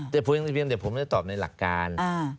แต่ผมไม่ได้ตอบในหลักการ